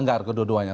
ini dilanggar keduanya